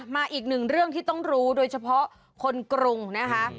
อีกหนึ่งเรื่องที่ต้องรู้โดยเฉพาะคนกรุงนะคะ